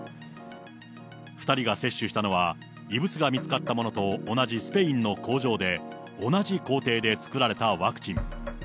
２人が接種したのは、異物が見つかったものと同じスペインの工場で、同じ工程で作られたワクチン。